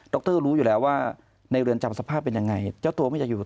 รรู้อยู่แล้วว่าในเรือนจำสภาพเป็นยังไงเจ้าตัวไม่อยากอยู่